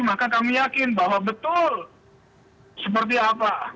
maka kami yakin bahwa betul seperti apa